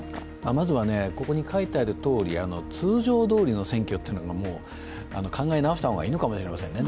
まずはここに書いてあるとおり通常どおりの選挙というのは考え直した方がいいのかもしれませんね。